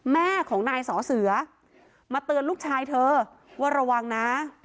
แม่ของนายสอเสือมาเตือนลูกชายเธอว่าระวังนะ